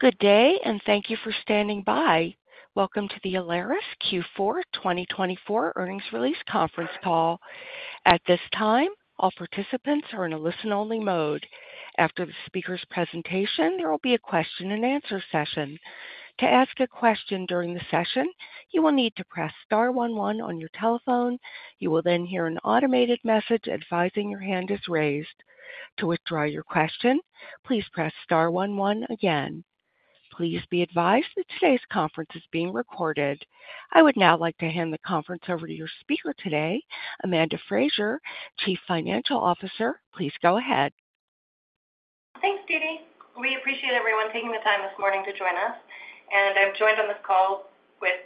Good day, and thank you for standing by. Welcome to the Alaris Q4 2024 earnings release conference call. At this time, all participants are in a listen-only mode. After the speaker's presentation, there will be a question-and-answer session. To ask a question during the session, you will need to press star one one on your telephone. You will then hear an automated message advising your hand is raised. To withdraw your question, please press star one one again. Please be advised that today's conference is being recorded. I would now like to hand the conference over to your speaker today, Amanda Frazer, Chief Financial Officer. Please go ahead. Thanks, Deedee. We appreciate everyone taking the time this morning to join us, and I've joined on this call with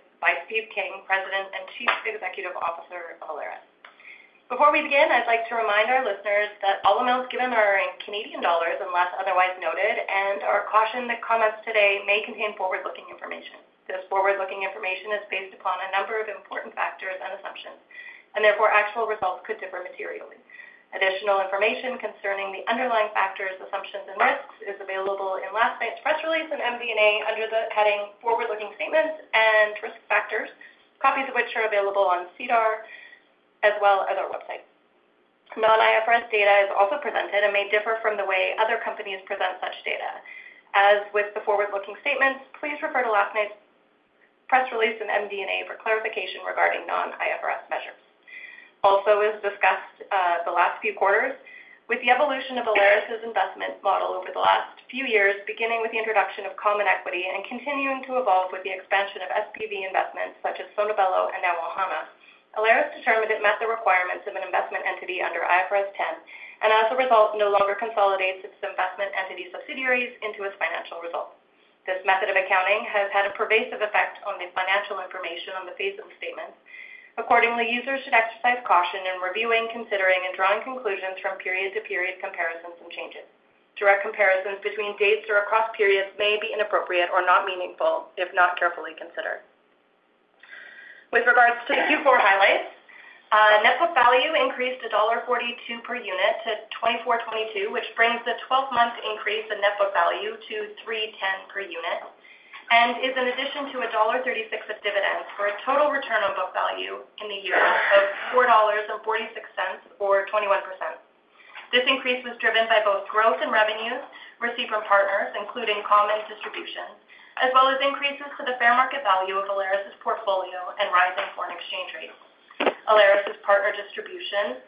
Steve King, President and Chief Executive Officer of Alaris. Before we begin, I'd like to remind our listeners that all amounts given are in CAD unless otherwise noted, and our caution that comments today may contain forward-looking information. This forward-looking information is based upon a number of important factors and assumptions, and therefore actual results could differ materially. Additional information concerning the underlying factors, assumptions, and risks is available in last night's press release and MD&A under the heading "Forward-looking Statements and Risk Factors," copies of which are available on SEDAR as well as our website. Non-IFRS data is also presented and may differ from the way other companies present such data. As with the forward-looking statements, please refer to last night's press release and MD&A for clarification regarding non-IFRS measures. Also as discussed the last few quarters, with the evolution of Alaris's investment model over the last few years, beginning with the introduction of common equity and continuing to evolve with the expansion of SPV investments such as Sono Bello and Ohana, Alaris determined it met the requirements of an investment entity under IFRS 10, and as a result, no longer consolidates its investment entity subsidiaries into its financial result. This method of accounting has had a pervasive effect on the financial information on the face of the statement. Accordingly, users should exercise caution in reviewing, considering, and drawing conclusions from period-to-period comparisons and changes. Direct comparisons between dates or across periods may be inappropriate or not meaningful if not carefully considered. With regards to the Q4 highlights, net book value increased dollar 1.42 per unit to 24.22, which brings the 12-month increase in net book value to 3.10 per unit and is in addition to dollar 1.36 of dividends for a total return on book value in the year of 4.46 dollars or 21%. This increase was driven by both growth in revenues received from partners, including common distributions, as well as increases to the fair value of Alaris's portfolio and rising foreign exchange rates. Alaris's partner distribution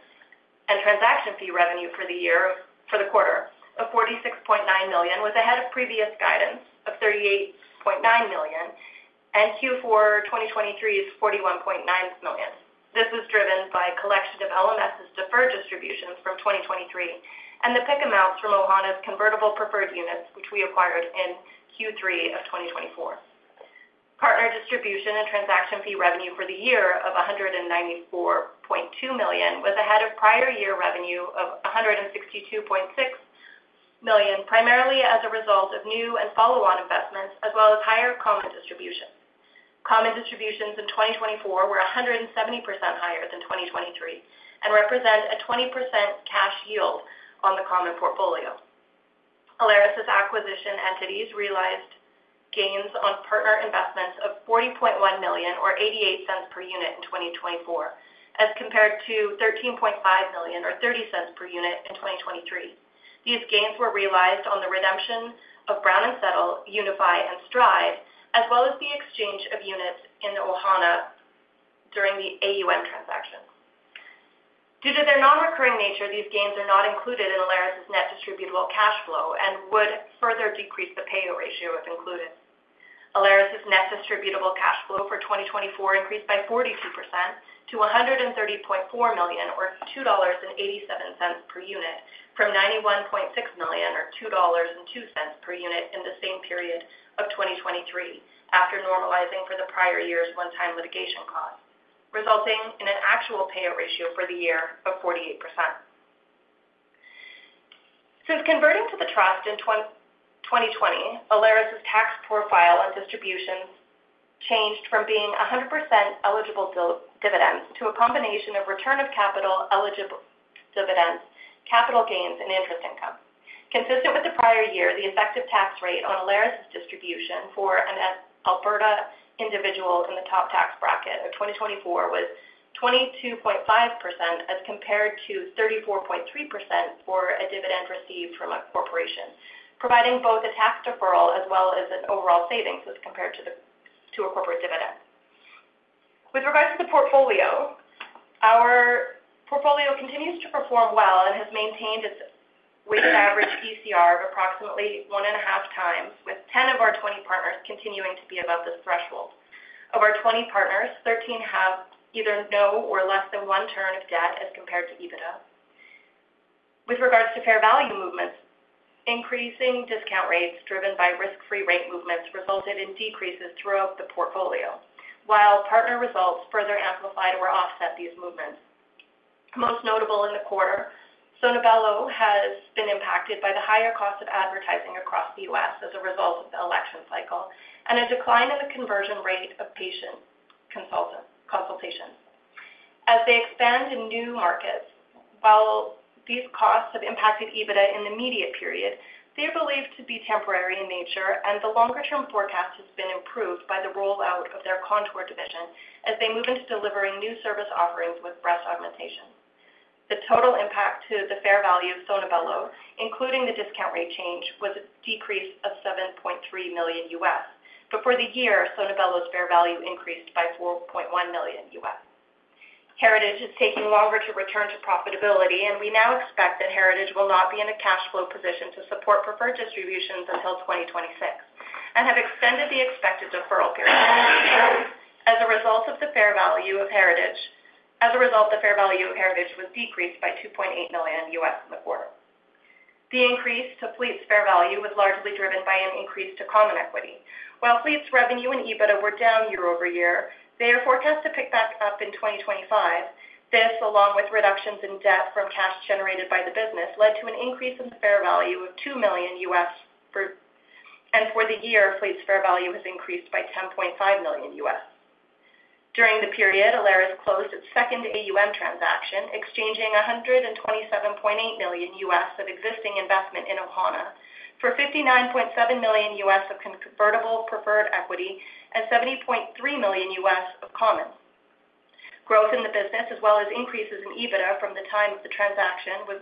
and transaction fee revenue for the quarter of 46.9 million was ahead of previous guidance of 38.9 million, and Q4 2023 is 41.9 million. This was driven by a collection of LMS's deferred distributions from 2023 and the PIK amounts from Ohana's convertible preferred units, which we acquired in Q3 of 2024. Partner distribution and transaction fee revenue for the year of 194.2 million was ahead of prior year revenue of 162.6 million, primarily as a result of new and follow-on investments, as well as higher common distributions. Common distributions in 2024 were 170% higher than 2023 and represent a 20% cash yield on the common portfolio. Alaris's acquisition entities realized gains on partner investments of 40.1 million, or 0.88 per unit, in 2024, as compared to 13.5 million, or 0.30 per unit, in 2023. These gains were realized on the redemption of Brown & Settle, Unify, and Stride, as well as the exchange of units in Ohana during the AUM transaction. Due to their non-recurring nature, these gains are not included in Alaris's net distributable cash flow and would further decrease the pay ratio if included. Alaris's net distributable cash flow for 2024 increased by 42% to 130.4 million, or 2.87 dollars per unit, from 91.6 million, or 2.02 dollars per unit, in the same period of 2023, after normalizing for the prior year's one-time litigation cost, resulting in an actual pay ratio for the year of 48%. Since converting to the trust in 2020, Alaris's tax profile and distributions changed from being 100% eligible dividends to a combination of return of capital, eligible dividends, capital gains, and interest income. Consistent with the prior year, the effective tax rate on Alaris's distribution for an Alberta individual in the top tax bracket of 2024 was 22.5%, as compared to 34.3% for a dividend received from a corporation, providing both a tax deferral as well as an overall savings as compared to a corporate dividend. With regards to the portfolio, our portfolio continues to perform well and has maintained its weighted average ECR of approximately one and a half times, with 10 of our 20 partners continuing to be above this threshold. Of our 20 partners, 13 have either no or less than one turn of debt as compared to EBITDA. With regards to fair value movements, increasing discount rates driven by risk-free rate movements resulted in decreases throughout the portfolio, while partner results further amplified or offset these movements. Most notable in the quarter, Sono Bello has been impacted by the higher cost of advertising across the U.S. as a result of the election cycle and a decline in the conversion rate of patient consultations. As they expand in new markets, while these costs have impacted EBITDA in the immediate period, they are believed to be temporary in nature, and the longer-term forecast has been improved by the rollout of their Contour division as they move into delivering new service offerings with breast augmentation. The total impact to the fair value of Sono Bello, including the discount rate change, was a decrease of $7.3 million, but for the year, Sono Bello's fair value increased by $4.1 million. Heritage is taking longer to return to profitability, and we now expect that Heritage will not be in a cash flow position to support preferred distributions until 2026 and have extended the expected deferral period. As a result, the fair value of Heritage was decreased by $2.8 million in the quarter. The increase to Fleet's fair value was largely driven by an increase to common equity. While Fleet's revenue and EBITDA were down year over year, they are forecast to pick back up in 2025. This, along with reductions in debt from cash generated by the business, led to an increase in the fair value of $2 million, and for the year, Fleet's fair value has increased by $10.5 million. During the period, Alaris closed its second AUM transaction, exchanging $127.8 million of existing investment in Ohana for $59.7 million of convertible preferred equity and $70.3 million of common. Growth in the business, as well as increases in EBITDA from the time the transaction was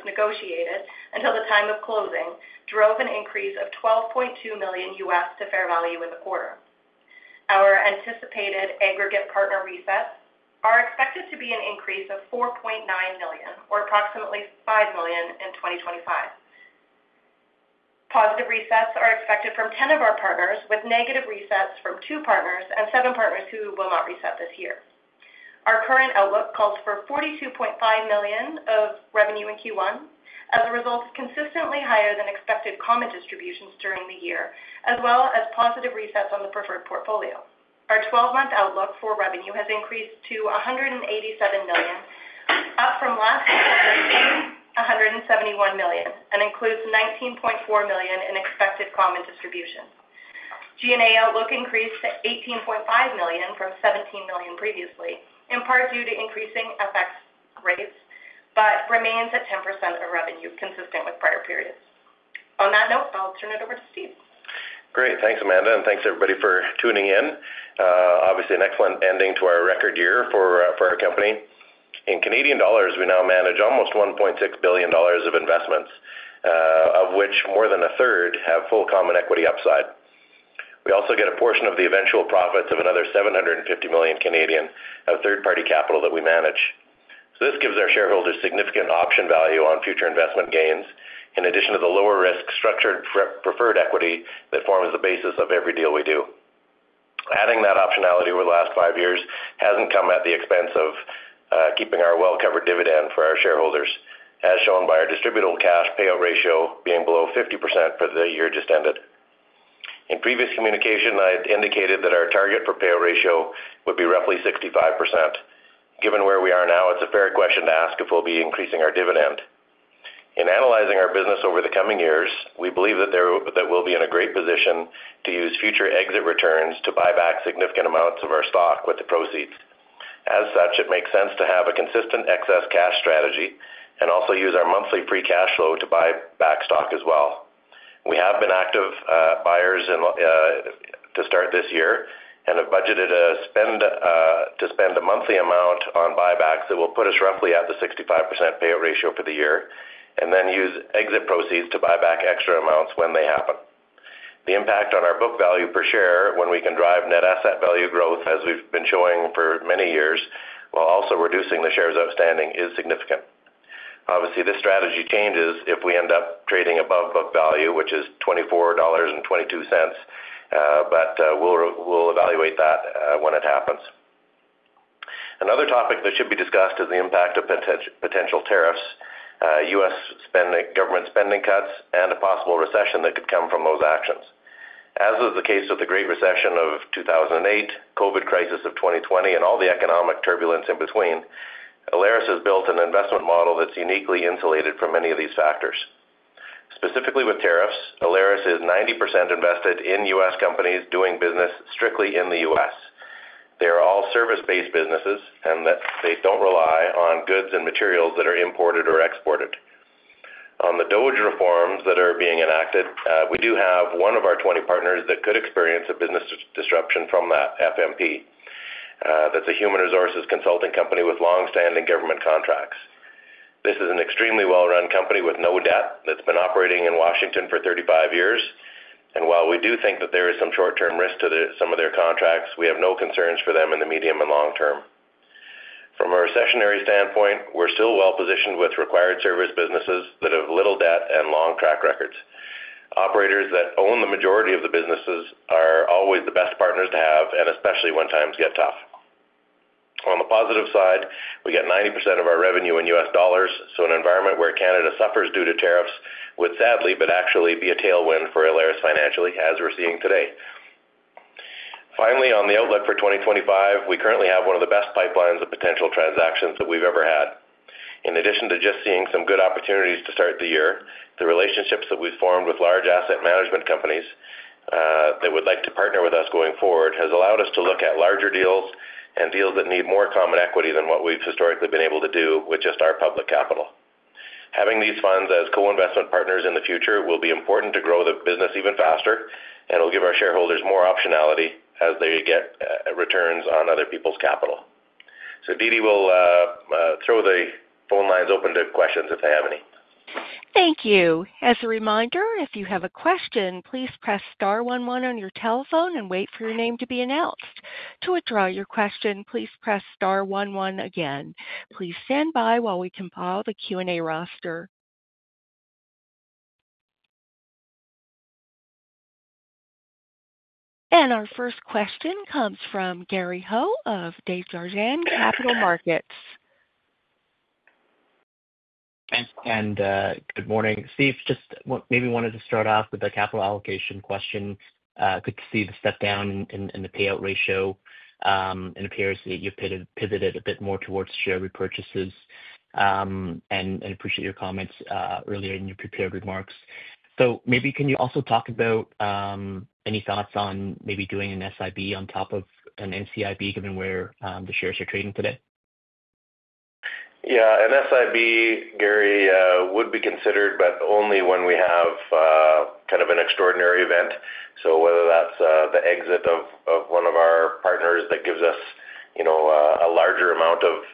negotiated until the time of closing, drove an increase of $12.2 million to fair value in the quarter. Our anticipated aggregate partner resets are expected to be an increase of 4.9 million, or approximately 5 million in 2025. Positive resets are expected from 10 of our partners, with negative resets from 2 partners and 7 partners who will not reset this year. Our current outlook calls for 42.5 million of revenue in Q1, as a result, consistently higher than expected common distributions during the year, as well as positive resets on the preferred portfolio. Our 12-month outlook for revenue has increased to 187 million, up from last year's 171 million, and includes 19.4 million in expected common distributions. G&A outlook increased to 18.5 million from 17 million previously, in part due to increasing FX rates, but remains at 10% of revenue, consistent with prior periods. On that note, I'll turn it over to Steve. Great. Thanks, Amanda, and thanks everybody for tuning in. Obviously, an excellent ending to our record year for our company. In CAD 1.6 billion, we now manage almost 1.6 billion dollars of investments, of which more than a third have full common equity upside. We also get a portion of the eventual profits of another 750 million of third-party capital that we manage. This gives our shareholders significant option value on future investment gains, in addition to the lower-risk structured preferred equity that forms the basis of every deal we do. Adding that optionality over the last five years has not come at the expense of keeping our well-covered dividend for our shareholders, as shown by our distributable cash payout ratio being below 50% for the year just ended. In previous communication, I had indicated that our target for payout ratio would be roughly 65%. Given where we are now, it's a fair question to ask if we'll be increasing our dividend. In analyzing our business over the coming years, we believe that we'll be in a great position to use future exit returns to buy back significant amounts of our stock with the proceeds. As such, it makes sense to have a consistent excess cash strategy and also use our monthly free cash flow to buy back stock as well. We have been active buyers to start this year and have budgeted to spend a monthly amount on buybacks that will put us roughly at the 65% payout ratio for the year, and then use exit proceeds to buy back extra amounts when they happen. The impact on our book value per share when we can drive net asset value growth, as we've been showing for many years while also reducing the shares outstanding, is significant. Obviously, this strategy changes if we end up trading above book value, which is 24.22 dollars, but we'll evaluate that when it happens. Another topic that should be discussed is the impact of potential tariffs, U.S. government spending cuts, and a possible recession that could come from those actions. As was the case with the Great Recession of 2008, COVID crisis of 2020, and all the economic turbulence in between, Alaris has built an investment model that's uniquely insulated from many of these factors. Specifically with tariffs, Alaris is 90% invested in U.S. companies doing business strictly in the U.S. They are all service-based businesses, and they don't rely on goods and materials that are imported or exported. On the DOGE reforms that are being enacted, we do have one of our 20 partners that could experience a business disruption from that, FMP. That's a human resources consulting company with long-standing government contracts. This is an extremely well-run company with no debt that's been operating in Washington for 35 years, and while we do think that there is some short-term risk to some of their contracts, we have no concerns for them in the medium and long term. From a recessionary standpoint, we're still well-positioned with required service businesses that have little debt and long track records. Operators that own the majority of the businesses are always the best partners to have, especially when times get tough. On the positive side, we get 90% of our revenue in U.S. dollars, so an environment where Canada suffers due to tariffs would, sadly, but actually be a tailwind for Alaris financially, as we're seeing today. Finally, on the outlook for 2025, we currently have one of the best pipelines of potential transactions that we've ever had. In addition to just seeing some good opportunities to start the year, the relationships that we've formed with large asset management companies that would like to partner with us going forward has allowed us to look at larger deals and deals that need more common equity than what we've historically been able to do with just our public capital. Having these funds as co-investment partners in the future will be important to grow the business even faster, and it'll give our shareholders more optionality as they get returns on other people's capital. Deedee will throw the phone lines open to questions if they have any. Thank you. As a reminder, if you have a question, please press star 11 on your telephone and wait for your name to be announced. To withdraw your question, please press star one one again. Please stand by while we compile the Q&A roster. Our first question comes from Gary Ho of Desjardins Capital Markets. Thanks, and good morning. Steve, just maybe wanted to start off with a capital allocation question. Good to see the step down in the payout ratio. It appears that you've pivoted a bit more towards share repurchases, and I appreciate your comments earlier in your prepared remarks. Maybe can you also talk about any thoughts on maybe doing an SIB on top of an NCIB, given where the shares are trading today? Yeah. An SIB, Gary, would be considered, but only when we have kind of an extraordinary event. Whether that is the exit of one of our partners that gives us a larger amount of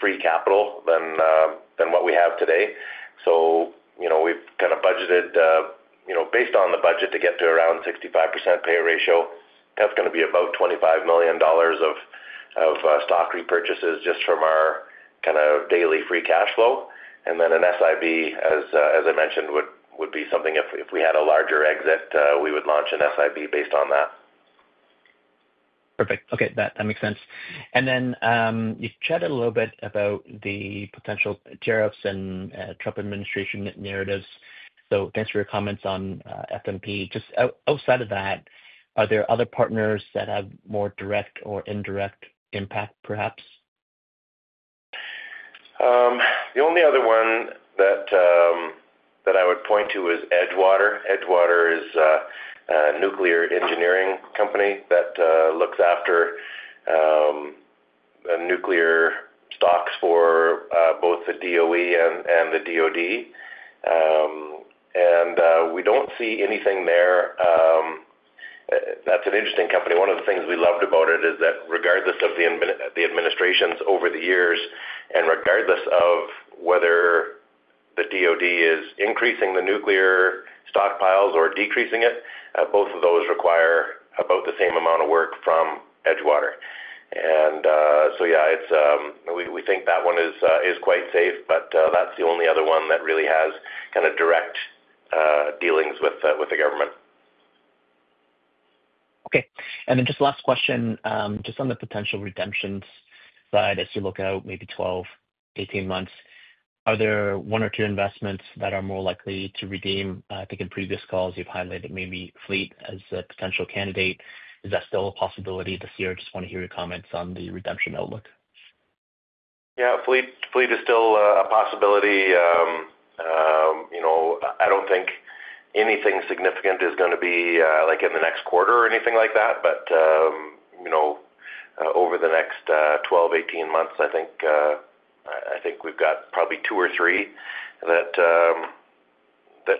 free capital than what we have today. We have kind of budgeted, based on the budget, to get to around 65% pay ratio. That is going to be about 25 million dollars of stock repurchases just from our kind of daily free cash flow. An SIB, as I mentioned, would be something if we had a larger exit, we would launch an SIB based on that. Perfect. Okay. That makes sense. You chatted a little bit about the potential tariffs and Trump administration narratives. Thanks for your comments on FMP. Just outside of that, are there other partners that have more direct or indirect impact, perhaps? The only other one that I would point to is Edgewater. Edgewater is a nuclear engineering company that looks after nuclear stocks for both the DOE and the DOD. We do not see anything there. That is an interesting company. One of the things we loved about it is that regardless of the administrations over the years, and regardless of whether the DOD is increasing the nuclear stockpiles or decreasing it, both of those require about the same amount of work from Edgewater. We think that one is quite safe, but that is the only other one that really has kind of direct dealings with the government. Okay. Just last question, just on the potential redemptions side as you look out maybe 12, 18 months, are there one or two investments that are more likely to redeem? I think in previous calls, you've highlighted maybe Fleet as a potential candidate. Is that still a possibility this year? Just want to hear your comments on the redemption outlook. Yeah. Fleet is still a possibility. I do not think anything significant is going to be in the next quarter or anything like that, but over the next 12-18 months, I think we have got probably two or three that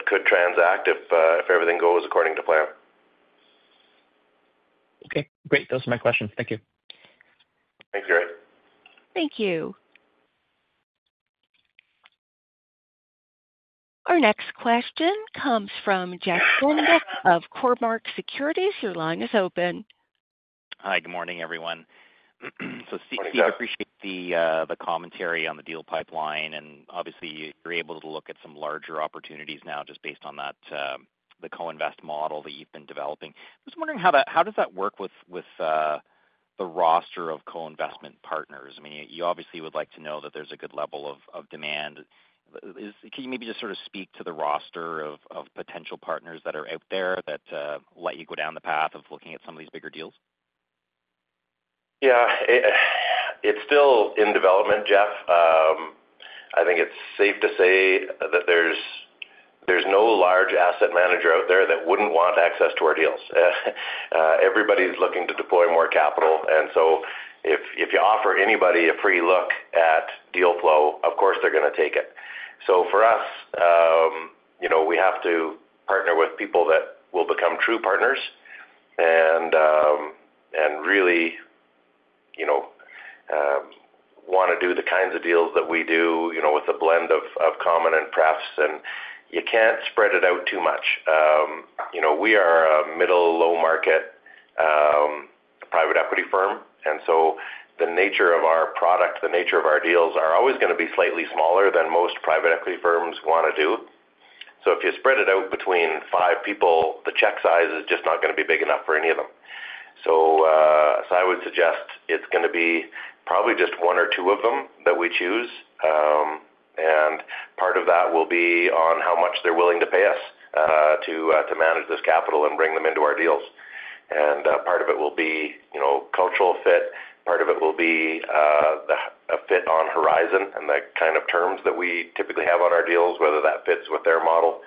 could transact if everything goes according to plan. Okay. Great. Those are my questions. Thank you. Thanks, Gary. Thank you. Our next question comes from Jeff Fenwick of Cormark Securities. Your line is open. Hi. Good morning, everyone. Steve, I appreciate the commentary on the deal pipeline, and obviously, you're able to look at some larger opportunities now just based on the co-invest model that you've been developing. I was wondering how does that work with the roster of co-investment partners? I mean, you obviously would like to know that there's a good level of demand. Can you maybe just sort of speak to the roster of potential partners that are out there that let you go down the path of looking at some of these bigger deals? Yeah. It's still in development, Jeff. I think it's safe to say that there's no large asset manager out there that wouldn't want access to our deals. Everybody's looking to deploy more capital. If you offer anybody a free look at deal flow, of course, they're going to take it. For us, we have to partner with people that will become true partners and really want to do the kinds of deals that we do with a blend of common and prefs. You can't spread it out too much. We are a middle low-market private equity firm, and the nature of our product, the nature of our deals are always going to be slightly smaller than most private equity firms want to do. If you spread it out between five people, the check size is just not going to be big enough for any of them. I would suggest it's going to be probably just one or two of them that we choose, and part of that will be on how much they're willing to pay us to manage this capital and bring them into our deals. Part of it will be cultural fit. Part of it will be a fit on horizon and the kind of terms that we typically have on our deals, whether that fits with their model.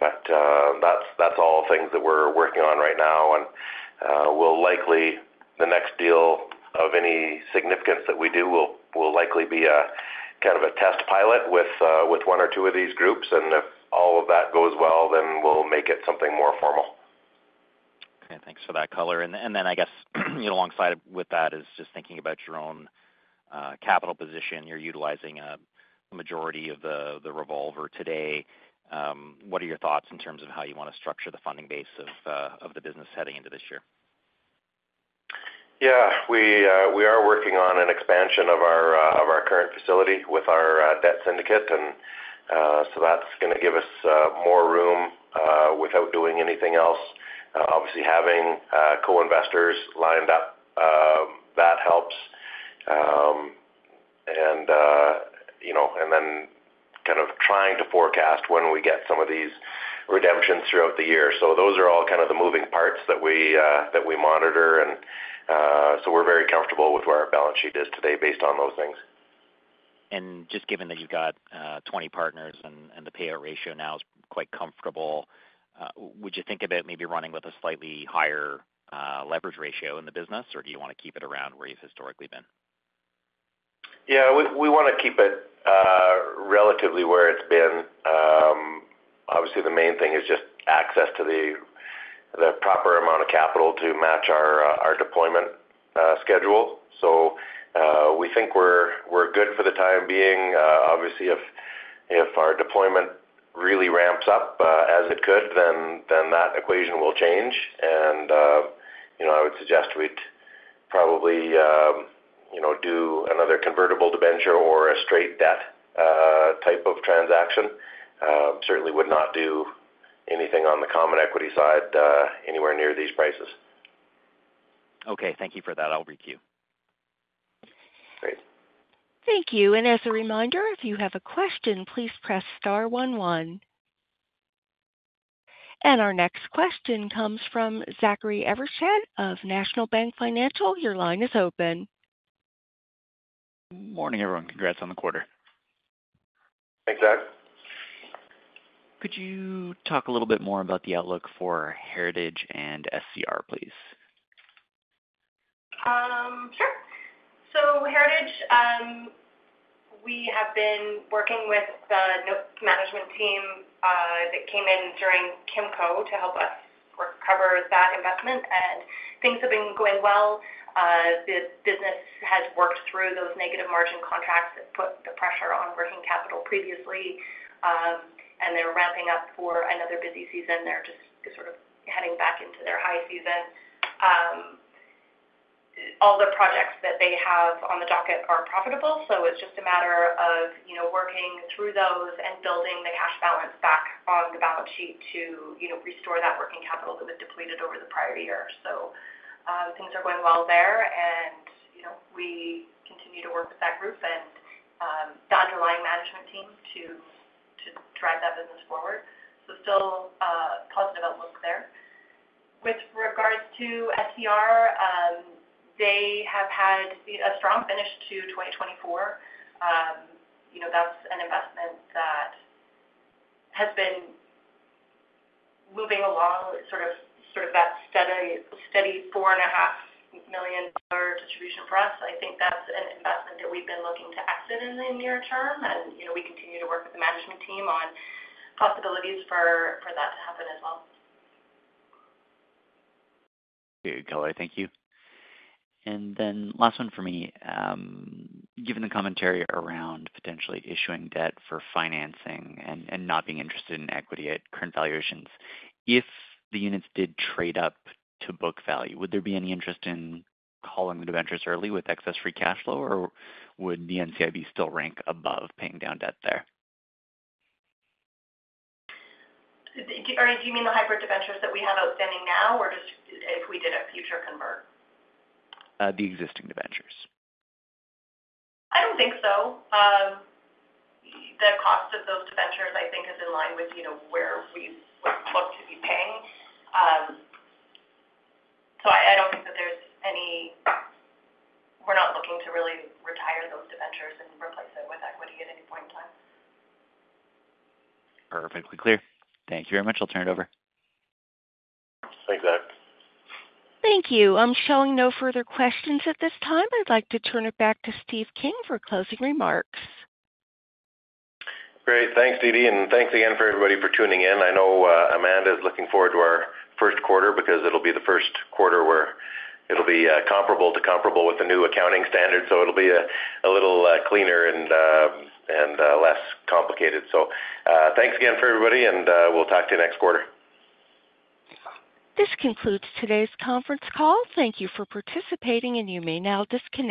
That's all things that we're working on right now. The next deal of any significance that we do will likely be kind of a test pilot with one or two of these groups. If all of that goes well, then we'll make it something more formal. Okay. Thanks for that color. I guess alongside with that is just thinking about your own capital position. You're utilizing a majority of the revolver today. What are your thoughts in terms of how you want to structure the funding base of the business heading into this year? Yeah. We are working on an expansion of our current facility with our debt syndicate, and that is going to give us more room without doing anything else. Obviously, having co-investors lined up, that helps. Kind of trying to forecast when we get some of these redemptions throughout the year. Those are all kind of the moving parts that we monitor. We are very comfortable with where our balance sheet is today based on those things. Given that you've got 20 partners and the payout ratio now is quite comfortable, would you think about maybe running with a slightly higher leverage ratio in the business, or do you want to keep it around where you've historically been? Yeah. We want to keep it relatively where it's been. Obviously, the main thing is just access to the proper amount of capital to match our deployment schedule. We think we're good for the time being. Obviously, if our deployment really ramps up as it could, that equation will change. I would suggest we'd probably do another convertible debenture or a straight debt type of transaction. Certainly would not do anything on the common equity side anywhere near these prices. Okay. Thank you for that. I'll read to you. Great. Thank you. As a reminder, if you have a question, please press star one one. Our next question comes from Zachary Evershed of National Bank Financial. Your line is open. Morning, everyone. Congrats on the quarter. Thanks, Zach. Could you talk a little bit more about the outlook for Heritage and SCR, please? Sure. Heritage, we have been working with the management team that came in during Kimco to help us recover that investment. Things have been going well. The business has worked through those negative margin contracts that put the pressure on working capital previously, and they are ramping up for another busy season. They are just sort of heading back into their high season. All the projects that they have on the docket are profitable, so it is just a matter of working through those and building the cash balance back on the balance sheet to restore that working capital that was depleted over the prior year. Things are going well there, and we continue to work with that group and the underlying management team to drive that business forward. Still a positive outlook there. With regards to SCR, they have had a strong finish to 2024. That's an investment that has been moving along, sort of that steady $4.5 million distribution for us. I think that's an investment that we've been looking to exit in the near term, and we continue to work with the management team on possibilities for that to happen as well. Okay. Thank you. Last one for me. Given the commentary around potentially issuing debt for financing and not being interested in equity at current valuations, if the units did trade up to book value, would there be any interest in calling the debentures early with excess free cash flow, or would the NCIB still rank above paying down debt there? Are you meaning the hybrid debentures that we have outstanding now or just if we did a future convert? The existing debentures. I don't think so. The cost of those debentures, I think, is in line with where we would look to be paying. I don't think that there's any—we're not looking to really retire those debentures and replace it with equity at any point in time. Perfectly clear. Thank you very much. I'll turn it over. Thanks, Zach. Thank you. I'm showing no further questions at this time. I'd like to turn it back to Steve King for closing remarks. Great. Thanks, Deedee. Thanks again for everybody for tuning in. I know Amanda is looking forward to our first quarter because it'll be the first quarter where it'll be comparable to comparable with the new accounting standards, so it'll be a little cleaner and less complicated. Thanks again for everybody, and we'll talk to you next quarter. This concludes today's conference call. Thank you for participating, and you may now disconnect.